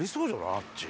あっち。